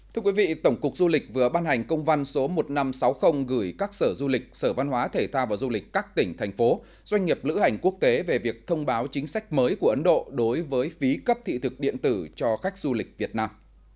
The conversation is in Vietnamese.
thưa quý vị tổng cục du lịch vừa ban hành công văn số một nghìn năm trăm sáu mươi gửi các sở du lịch sở văn hóa thể thao và du lịch các tỉnh thành phố doanh nghiệp lữ hành quốc tế về việc thông báo chính sách mới của ấn độ đối với phí cấp thị thực điện tử cho khách du lịch việt nam